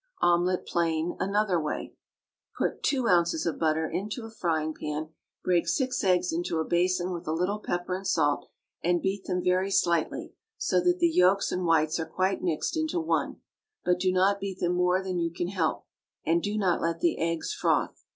OMELET, PLAIN (ANOTHER WAY). Put two ounces of butter into a frying pan, break six eggs into a basin with a little pepper and salt, and beat them very slightly, so that the yolks and whites are quite mixed into one, but do not beat them more than you can help, and do not let the eggs froth.